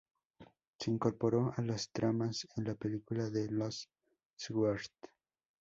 Se incorporó a las tramas en la película de "Los Stewart".